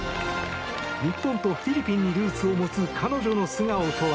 日本とフィリピンにルーツを持つ彼女の素顔とは。